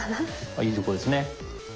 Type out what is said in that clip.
あっいいとこですね。